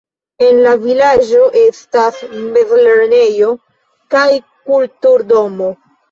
En la vilaĝo estas mezlernejo kaj kultur-domo.